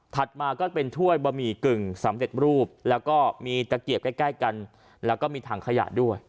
มาก็เป็นถ้วยบะหมี่กึ่งสำเร็จรูปแล้วก็มีตะเกียบใกล้ใกล้กันแล้วก็มีถังขยะด้วย